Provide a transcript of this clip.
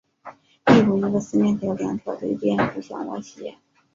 例如一个四面体的两条对边互相歪斜。